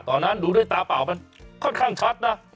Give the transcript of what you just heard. ตอนนั้นดูด้วยตาเปล่ามันค่อนข้างชัดนะ